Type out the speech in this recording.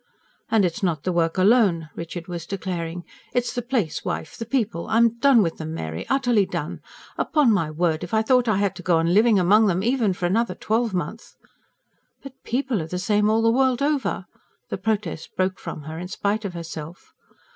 "And it's not the work alone," Richard was declaring, "it's the place, wife the people. I'm done with 'em, Mary utterly done! Upon my word, if I thought I had to go on living among them even for another twelvemonth ..." "But PEOPLE are the same all the world over!" The protest broke from her in spite of herself.